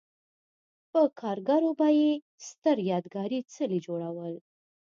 په کارګرو به یې ستر یادګاري څلي جوړول